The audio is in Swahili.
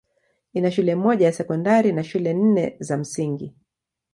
Ina shule moja ya sekondari na shule nne za msingi.